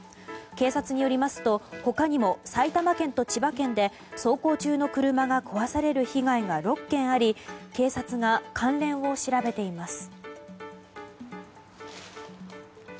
警察によりますと他にも、埼玉県と千葉県で走行中の車が壊される被害が６件あり警察が、関連を調べています。